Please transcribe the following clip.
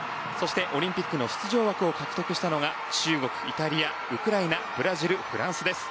オリンピックの出場枠を獲得したのが中国、イタリアウクライナ、ブラジルフランスです。